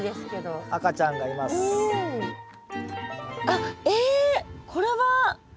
あっえっこれは。